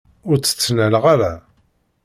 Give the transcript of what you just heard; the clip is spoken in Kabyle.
Ur tt-ttnaleɣ ara.